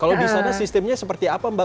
kalau disana sistemnya seperti apa mbak